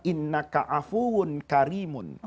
innaka afun karimun